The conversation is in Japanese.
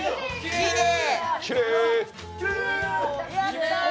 きれい！